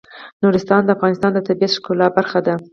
نورستان د افغانستان د طبیعت د ښکلا برخه ده.